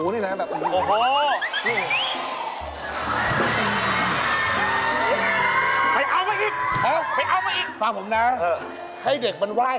ให้เด็กมันไหว้เถอะ